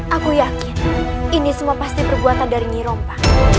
aku yakin ini semua pasti perbuatan dari niropa